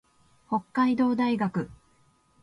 北海道大学